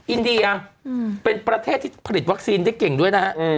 อินเดียเป็นประเทศที่ผลิตวัคซีนได้เก่งด้วยนะฮะ